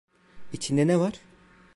İçinde ne var?